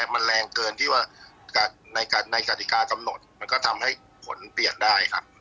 มันแรงเกินที่ว่าในกฎิกากำหนดมันก็ทำให้ผลเปลี่ยนได้ครับ